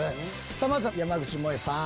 まずは山口もえさん。